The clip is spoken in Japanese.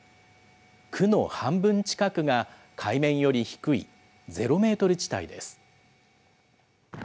区の半分近くが海面より低いゼロメートル地帯です。